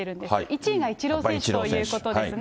１位がイチロー選手ということですね。